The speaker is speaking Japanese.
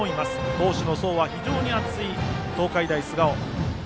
投手の層は非常に厚い東海大菅生。